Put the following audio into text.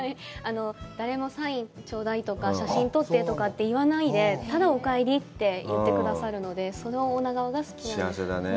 誰もサインちょうだいとか写真を撮ってとか言わないで、ただおかえりって言ってくださるのでそんな女川が好きなんです。